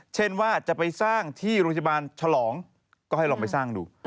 เช่นว่าจะไปสร้างที่โรงพยาบาลฉลองก็ให้ลองไปสร้างดู